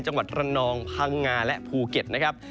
จังหวัดระนองพังงาและภูเก็ตนะครับ